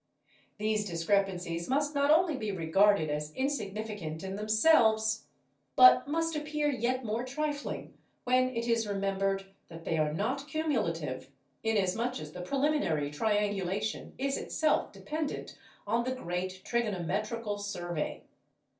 These discrepancies must not only be regarded as insignificant in themselves, but must appear yet more trifling when it is remembered that they are not cumulative, inasmuch as the preliminary triangulation is itself dependent on the great trigonometrical survey.